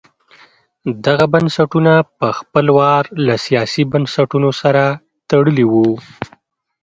دغه بنسټونه په خپل وار له سیاسي بنسټونو سره تړلي وو.